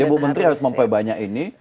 ibu menteri harus memperbanyak ini